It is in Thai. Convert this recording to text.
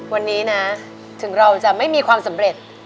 วันนี้นะถึงเราจะไม่มีความสำเร็จ